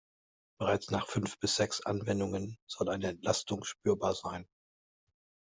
Bereits nach fünf bis sechs Anwendungen soll eine Entlastung spürbar sein.